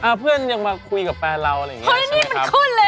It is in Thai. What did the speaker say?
อะเพื่อนยังมาคุยกับแฟนเราอันอย่างนี้